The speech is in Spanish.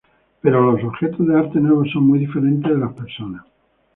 Pero los objetos de arte nuevos son muy diferentes de las personas.